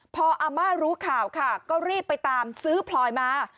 พออาม่ารู้ข่าวค่ะก็รีบไปตามซื้อพลอยมา